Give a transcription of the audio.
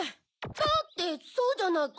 だってそうじゃないか。